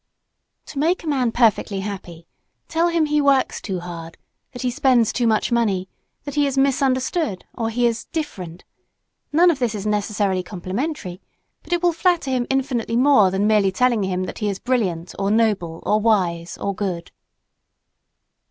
To make a man perfectly happy tell him he works too hard, that he spends too much money, that he is "misunderstood" or that he is "different;" none of this is necessarily complimentary, but it will flatter him infinitely more than merely telling him that he is brilliant, or noble, or wise, or good.